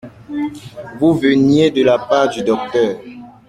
Vous veniez de la part du docteur.